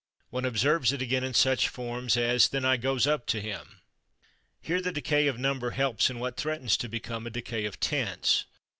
One observes it again in such forms as "then I /goes/ up to him." Here the decay of number helps in what threatens to become a decay of tense.